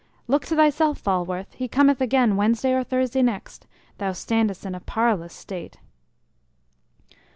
Look to thyself, Falworth; he cometh again Wednesday or Thursday next; thou standest in a parlous state."